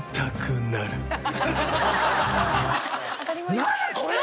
何や⁉これ！